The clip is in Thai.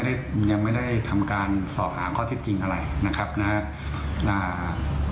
ก็ยังไม่ได้ทำการสอบหาข้อที่จริงอะไรนะครับนะครับ